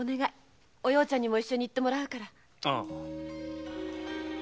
お葉ちゃんにも一緒に行ってもらうから。